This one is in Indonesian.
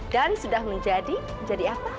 dan sudah menjadi menjadi apa